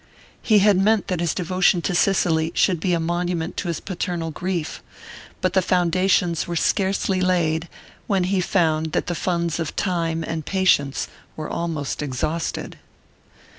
He had meant that his devotion to Cicely should be a monument to his paternal grief; but the foundations were scarcely laid when he found that the funds of time and patience were almost exhausted.